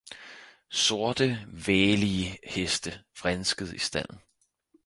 sorte, vælige Heste vrinskede i Stalden.